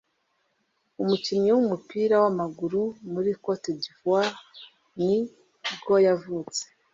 umukinnyi w’umupira w’amaguru wo muri Cote d’ivoire ni bwo yavutse